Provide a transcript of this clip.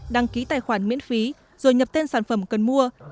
đăng ký tài khoản miễn phí rồi nhập tên sản phẩm cần mua